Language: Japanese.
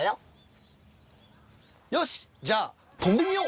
よしじゃあとんでみよう。